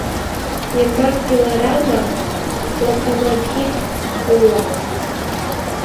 Мемнан пилорама, локомобиль уло.